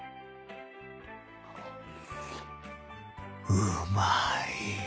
うまい！